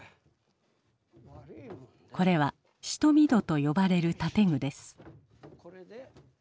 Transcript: これは蔀戸と呼ばれる建具です。